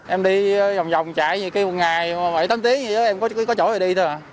em đi vòng vòng chạy một ngày bảy tám tiếng em có chỗ để đi thôi